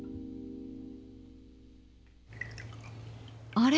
あれ？